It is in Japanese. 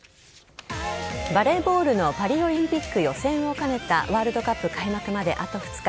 バレーボールのパリオリンピック予選を兼ねたワールドカップ開幕まであと２日。